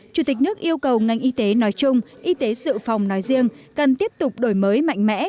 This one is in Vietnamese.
chủ tịch nước yêu cầu ngành y tế nói chung y tế dự phòng nói riêng cần tiếp tục đổi mới mạnh mẽ